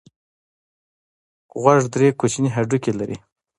غوږ درې کوچني هډوکي لري.